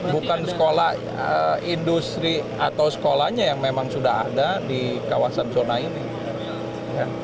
bukan sekolah industri atau sekolahnya yang memang sudah ada di kawasan zona ini